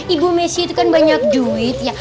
ibu messi itu kan banyak duit ya